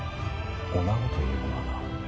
女子というものはな。